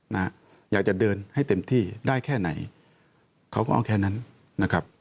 นะฮะอยากจะเดินให้เต็มที่ได้แค่ไหนเขาก็เอาแค่นั้นนะครับ